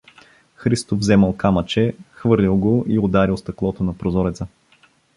Христо вземал камъче, хвърлил го и ударил стъклото на прозореца.